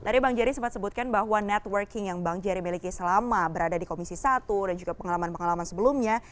tadi bang jerry sempat sebutkan bahwa networking yang bang jerry miliki selama berada di komisi satu dan juga pengalaman pengalaman sebelumnya